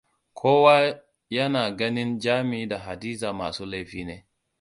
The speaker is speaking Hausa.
Kowa ya na ganin Jami da Hadiza masu laifi ne.